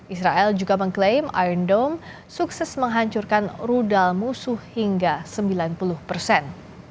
israel juga mengklaim aerindom sukses menghancurkan rudal musuh hingga sembilan puluh persen